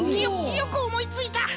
よくおもいついた！